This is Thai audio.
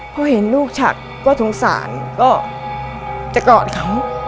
พอเห็นลูกฉักก็สงสารก็จะกอดเขา